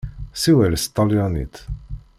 Ssiwel s tṭalyanit!